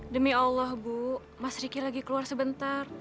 demi allah bu mas riki lagi keluar sebentar